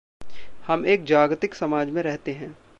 हम एक जागतिक समाज में रहते हैं।